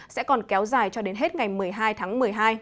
sẽ còn kéo dài cho đến hết ngày một mươi hai tháng một mươi hai